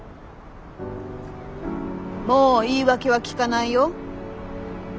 もう言い訳はきかないよ。